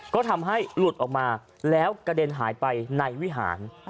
ก็ทำให้หลุดออกมาแล้วกระเด็นหายไปในวิหาร